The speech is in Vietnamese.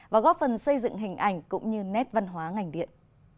và góp phần xây dựng hình ảnh cũng như nét văn hóa ngành điện